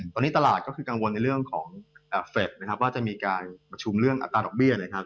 ตอนนี้ตลาดก็คือกังวลในเรื่องของเฟรดนะครับว่าจะมีการประชุมเรื่องอัตราดอกเบี้ยนะครับ